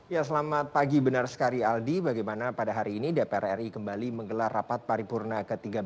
ya selamat pagi benar sekali aldi bagaimana pada hari ini dpr ri kembali menggelar rapat paripurna ke tiga belas